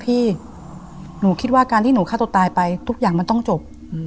พี่หนูคิดว่าการที่หนูฆ่าตัวตายไปทุกอย่างมันต้องจบ